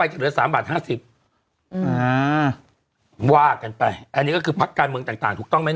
หมากันไปแอดนี่ก็ก็คือผักการเมืองต่างถูกต้องไหม